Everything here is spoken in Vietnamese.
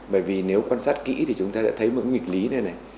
bởi vì nếu quan sát kỹ thì chúng ta sẽ thấy một cái nghịch lý này này